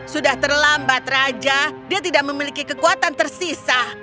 sudah terlambat raja dia tidak memiliki kekuatan tersisa